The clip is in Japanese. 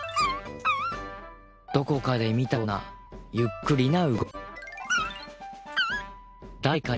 どこかで見たようなゆっくりな動きキュウ。